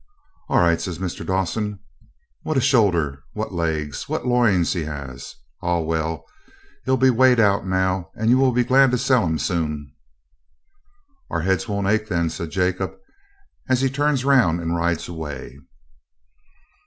'All right,' says Mr. Dawson. 'What a shoulder, what legs, what loins he has! Ah! well, he'll be weighted out now, and you will be glad to sell him soon.' 'Our heads won't ache then,' says Jacob, as he turns round and rides away.